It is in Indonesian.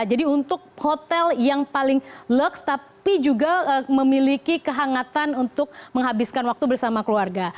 jadi untuk hotel yang paling lux tapi juga memiliki kehangatan untuk menghabiskan waktu bersama keluarga